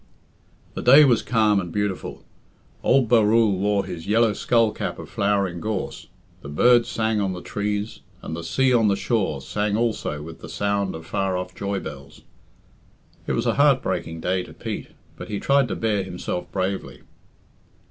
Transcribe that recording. The day was calm and beautiful. Old Barrule wore his yellow skull cap of flowering gorse, the birds sang on the trees, and the sea on the shore sang also with the sound of far off joy bells. It was a heart breaking day to Pete, but he tried to bear himself bravely.